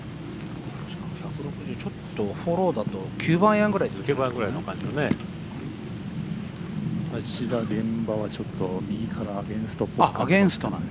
１６０ちょっとフォローだと９番アイアンぐらいで現場は右からアゲンストっぽい。